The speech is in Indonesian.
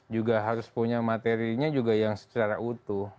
juga harus punya materinya juga yang secara utuh